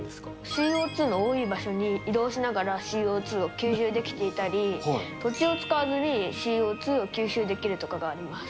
ＣＯ２の多い場所に移動しながらＣＯ２を吸収できていたり、土地を使わずにＣＯ２を吸収できるとかがあります。